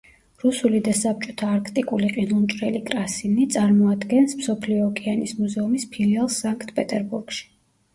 რუსული და საბჭოთა არქტიკული ყინულმჭრელი „კრასინი“, წარმოადგენს მსოფლიო ოკეანის მუზეუმის ფილიალს საქნტ-პეტერბურგში.